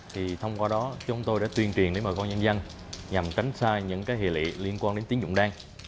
thì thông qua đó chúng tôi đã tuyên truyền đến bà con nhân dân nhằm tránh xa những hệ lị liên quan đến tín dụng đen